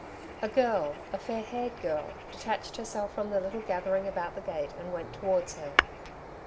A girl a fair haired girl detached herself from the little gathering about the gate and went towards her.